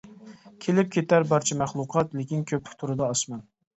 كېلىپ-كېتەر بارچە مەخلۇقات، لېكىن كۆپكۆك تۇرىدۇ ئاسمان.